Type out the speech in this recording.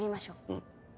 うん。